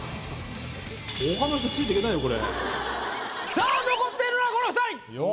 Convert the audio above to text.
さぁ残っているのはこの２人！